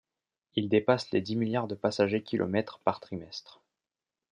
Il dépasse les dix milliards de passagers kilomètres par trimestre.